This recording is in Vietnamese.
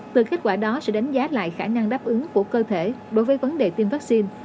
từ kết quả đó sẽ đánh giá lại khả năng đáp ứng của cơ thể đối với vấn đề tiêm vaccine